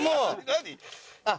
「何？」